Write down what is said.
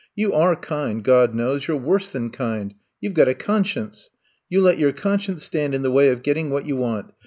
*'You are kind, God knows — ^you 're worse than kind — you 've got a conscience. You let your conscience stand in the way of getting what you want.